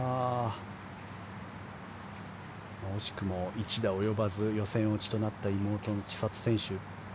惜しくも１打及ばず予選落ちとなった妹の千怜選手。